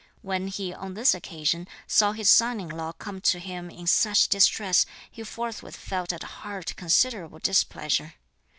When he on this occasion saw his son in law come to him in such distress, he forthwith felt at heart considerable displeasure.